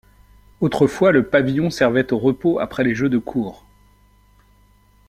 Autrefois, le pavillon servait au repos après les jeux de cour.